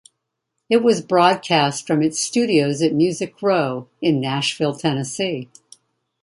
It was broadcast from its studios at Music Row in Nashville, Tennessee.